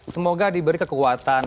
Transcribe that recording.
semoga diberi kekuatan